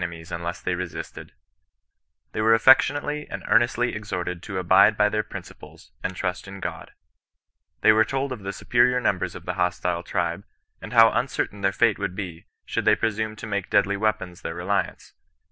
es MiAea^ VNie^ \«»s^^*ft^ ''^isk^ ^^jpsiiii 118 CHBI8TIAN NON BESISTANOE. were affectionately and earnestly exhorted to abide by their principles, and trust in God. They were told of the superior numbers of the hostile tribe, and how un certain their fate would be, should they presume to make deadly weapons their reliance.